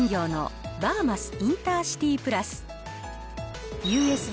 衣川産業のバーマスインターシティプラス。